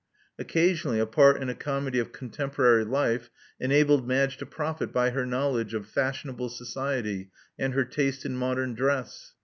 Occasionally .a part in a comedy of con temporary life enabled Madge to profit by her knowl edge of fashionable society and her taste in modem dress.